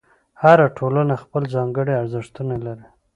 هره ټولنه خپل ځانګړي ارزښتونه لري.